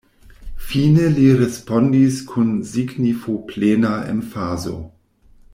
Fine li respondis kun signifoplena emfazo: